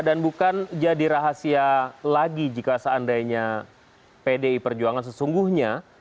dan bukan jadi rahasia lagi jika seandainya pdi perjuangan sesungguhnya